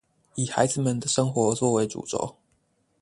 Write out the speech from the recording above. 以孩子們的生活作為主軸